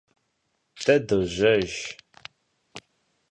De dojejj.